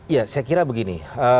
ya saya kira begini